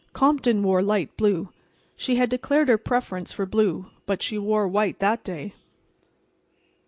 Compton wore light blue. She had declared her preference for blue, but she wore white that day.